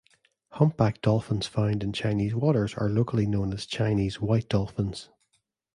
Humpback dolphins found in Chinese waters are locally known as Chinese white dolphins.